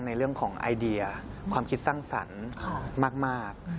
ในเรื่องของไอเดียความคิดสร้างสรรค์มาก